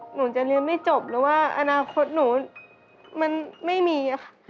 หนูจะลืมไม่จบเลยว่าอนาคตหนูมันไม่มี